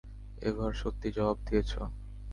এবার সত্যি জবাব দিয়েছো।